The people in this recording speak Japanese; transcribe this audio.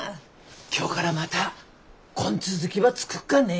今日からまたこん続きば作っかね。